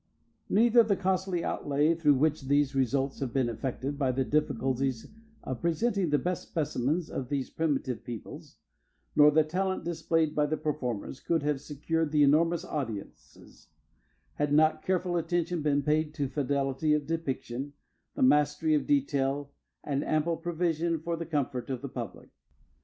Neither the costly outlay through which these results have been effected by the difficulties of presenting the best specimens of these primitive peoples, nor the talent displayed by the performers, could have secured the enormous audiences, had not careful attention been paid to fidelity of depiction, the mastery of detail, and ample provision for the comfort of the public.